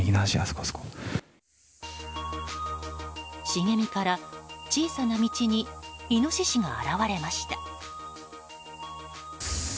茂みから小さな道にイノシシが現れました。